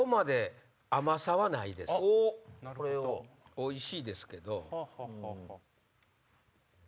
おいしいですけど。